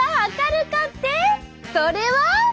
それは。